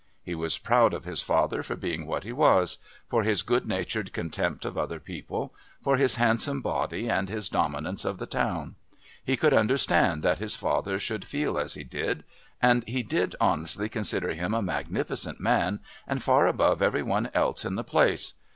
He was proud of his father for being what he was, for his good natured contempt of other people, for his handsome body and his dominance of the town. He could understand that his father should feel as he did, and he did honestly consider him a magnificent man and far above every one else in the place.